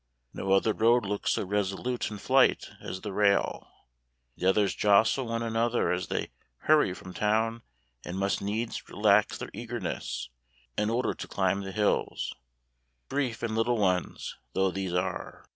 No other road looks so resolute in flight as the rail. The others jostle one another as they hurry from town, and must needs relax their eagerness in order to climb the hills brief and little ones though these are.